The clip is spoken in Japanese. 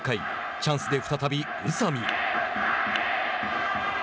チャンスで再び宇佐見。